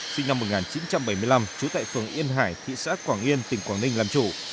sinh năm một nghìn chín trăm bảy mươi năm trú tại phường yên hải thị xã quảng yên tỉnh quảng ninh làm chủ